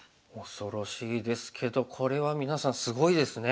恐ろしいですけどこれは皆さんすごいですね。